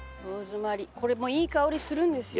これもいい香りするんですよ。